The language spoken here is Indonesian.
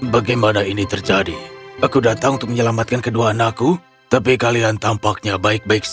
bagaimana ini terjadi aku datang untuk menyelamatkan kedua anakku tapi kalian tampaknya baik baik saja